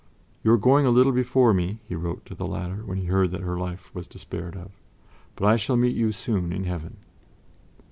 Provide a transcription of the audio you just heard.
"You are going a little before me," he wrote to the latter when he heard that her life was despaired of, "but I shall meet you soon in Heaven."